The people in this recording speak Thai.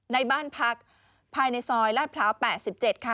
ในบ้านพักภายในซอยลาดพร้าว๘๗ค่ะ